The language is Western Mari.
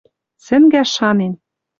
Сӹнгӓш шанен